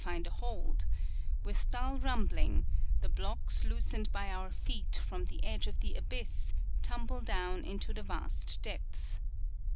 175 find a hold; with dull rumbling the blocks loosened by our feet from the edge of the abyss tumble down into the vast depth.